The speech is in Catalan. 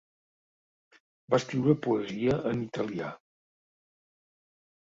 Va escriure poesia en italià.